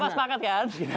bapak sepakat kan